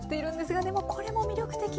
もうこれも魅力的。